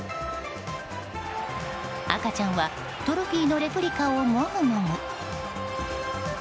赤ちゃんはトロフィーのレプリカをもぐもぐ。